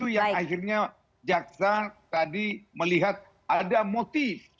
yang akhirnya jaksa tadi melihat ada motif